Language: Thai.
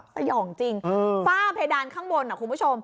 สยองจริงฝ้าเพดานข้างบนคุณผู้ชม